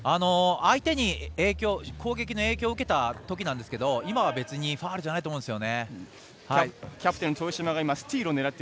相手に攻撃の影響を受けたときなんですけど今のはファウルじゃないと思うんですよね。